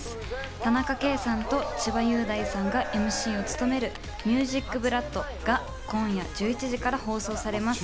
田中圭さんと千葉雄大さんがＭＣを務める『ＭＵＳＩＣＢＬＯＯＤ』が今夜１１時から放送されます。